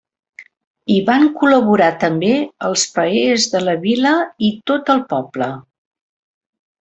Hi van col·laborar també els paers de la vila i tot el poble.